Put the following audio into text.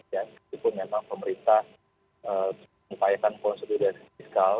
dan itu pun memang pemerintah menyampaikan konsumsi dari fiskal